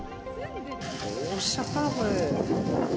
どうしちゃったの、これ。